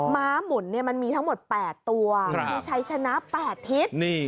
ม้าหมุนมันมีทั้งหมด๘ตัวคือใช้ชนะ๘ทิศ